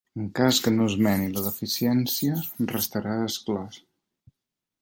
En cas que no esmeni la deficiència, restarà exclòs.